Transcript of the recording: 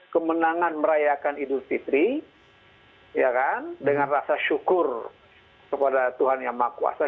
kemenangan merayakan idul fitri dengan rasa syukur kepada tuhan yang maha kuasa